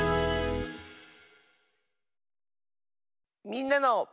「みんなの」。